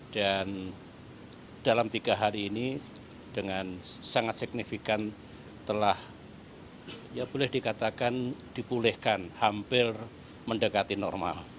dan dalam tiga hari ini dengan sangat signifikan telah ya boleh dikatakan dipulihkan hampir mendekati normal